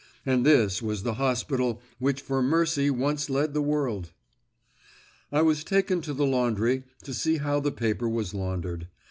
And this was the hospital which for mercy once led the world! I was taken to the laundry to see how the paper was laundered.